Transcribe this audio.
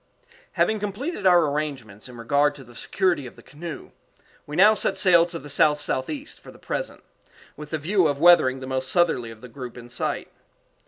_ Having completed our arrangements in regard to the security of the canoe, we now set sail to the south southeast for the present, with the view of weathering the most southerly of the group in sight.